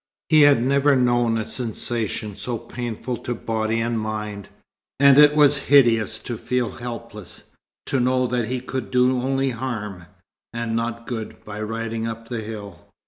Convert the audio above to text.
He had never known a sensation so painful to body and mind, and it was hideous to feel helpless, to know that he could do only harm, and not good, by riding up the hill.